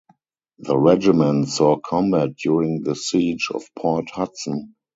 The regiment saw combat during the Siege of Port Hudson.